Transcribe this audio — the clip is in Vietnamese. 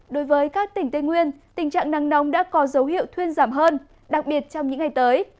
đối với các tỉnh tây nguyên tình trạng nắng nóng đã có dấu hiệu thuyên giảm hơn đặc biệt trong những ngày tới